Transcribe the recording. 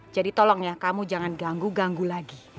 tolong ya kamu jangan ganggu ganggu lagi